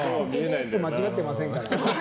間違ってませんから。